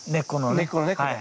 根っこのねこれ。